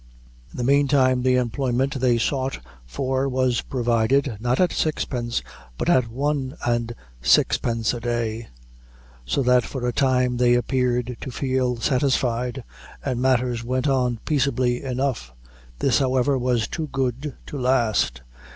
In the meantime, the employment they sought for was provided, not at sixpence, but at one and sixpence a day; so that for a time they appeared to feel satisfied, and matters went on peaceably enough. This, however, was too good to last.